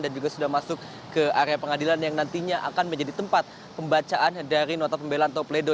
dan juga sudah masuk ke area pengadilan yang nantinya akan menjadi tempat pembacaan dari nota pembelaan topledo